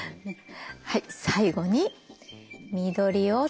はい最後に緑をつけます。